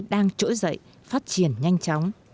đang trỗi dậy phát triển nhanh chóng